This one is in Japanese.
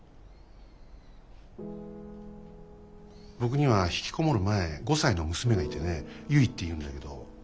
僕にはひきこもる前５歳の娘がいてねゆいっていうんだけど。